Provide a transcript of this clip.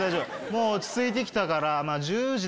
もう落ち着いて来たから。